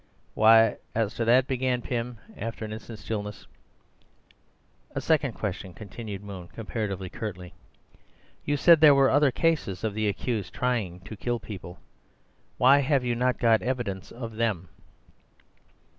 "Why, as to that—" began Pym, after an instant of stillness. "A second question," continued Moon, comparatively curtly. "You said there were other cases of the accused trying to kill people. Why have you not got evidence of them?"